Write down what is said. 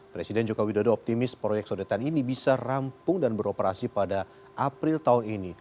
presiden jokowi dodo optimis proyek sodetan ini bisa rampung dan beroperasi pada april tahun ini